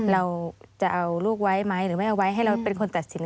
เราจะเอาลูกไว้ไหมหรือไม่เอาไว้ให้เราเป็นคนตัดสิน